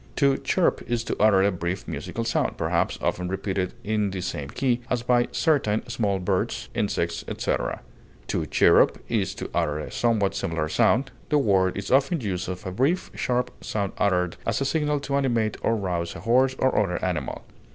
To chirp is to utter a brief musical sound, perhaps often repeated in the same key, as by certain small birds, insects, etc. To chirrup is to utter a somewhat similar sound; the word is often used of a brief, sharp sound uttered as a signal to animate or rouse a horse or other animal.